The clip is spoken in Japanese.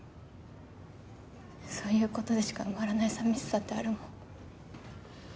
そういうことでしか埋まらないさみしさってあるもん。